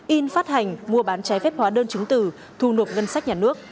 in phát hành mua bán trái phép hóa đơn chứng từ thu nộp ngân sách nhà nước